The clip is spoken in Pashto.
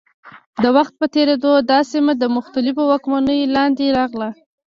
د وخت په تېرېدو دا سیمه د مختلفو واکمنیو لاندې راغله.